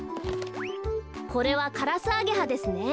これはカラスアゲハですね。